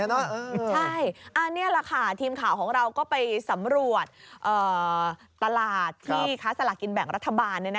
นี่แหละค่ะทีมข่าวของเราก็ไปสำรวจตลาดที่ค้าสลากกินแบ่งรัฐบาล